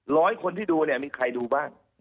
ร้อยคนที่ดูเนี่ยมีใครดูบ้าง